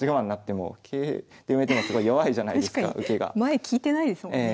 前利いてないですもんね。